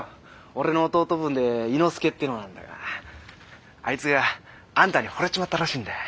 俺の弟分で猪之助ってのなんだがあいつがあんたにほれちまったらしいんだよ。